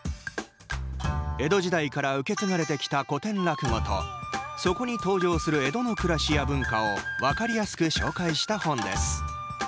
江戸時代から受け継がれてきた古典落語とそこに登場する江戸の暮らしや文化を分かりやすく紹介した本です。